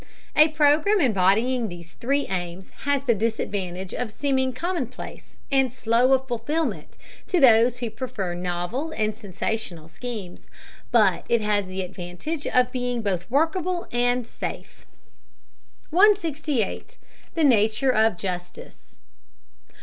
A program embodying these three aims has the disadvantage of seeming commonplace and slow of fulfillment to those who prefer novel and sensational schemes, but it has the advantage of being both workable and safe. 168. THE NATURE OF JUSTICE.